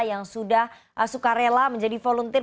yang sudah suka rela menjadi volunteer